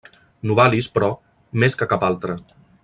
Novalis, però, més que cap altre.